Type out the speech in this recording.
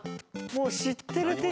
もう知ってる体。